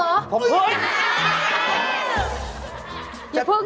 อย่าเพิ่งสิอย่าเพิ่ง